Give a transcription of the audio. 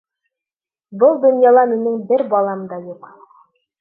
Был донъяла минең бер балам да юҡ.